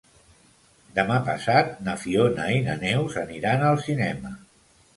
Demà passat na Fiona i na Neus aniran al cinema.